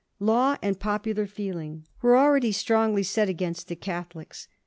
Law and popular feeling were already strongly set against the Catholics.